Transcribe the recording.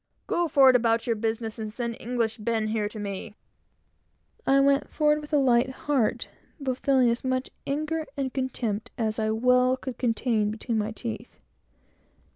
"Go forward about your business, and send English Ben here to me!" I went forward with a light heart, but feeling as angry, and as much contempt as I could well contain between my teeth.